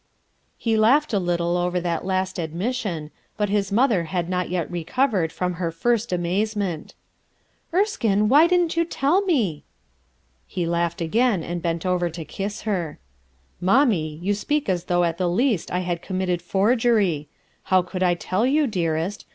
He laughed a little over that last admission, but his mother had not yet recovered from her first amazement. "Erskine, why didn't you tell me?" He laughed again and bent over to kiss her, "Mommie, you speak as though at the least I had committed forgery. How could I tell you, dearest?